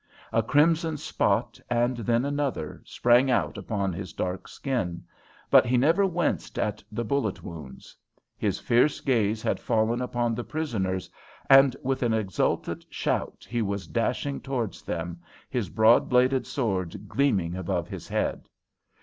A crimson spot, and then another, sprang out upon his dark skin, but he never winced at the bullet wounds. His fierce gaze had fallen upon the prisoners, and with an exultant shout he was dashing towards them, his broad bladed sword gleaming above his head.